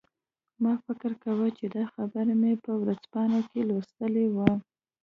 ما فکر کوم چې دا خبر مې په ورځپاڼو کې لوستی و